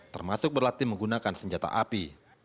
termasuk berlatih menggunakan senjata api